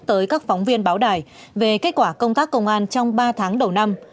tới các phóng viên báo đài về kết quả công tác công an trong ba tháng đầu năm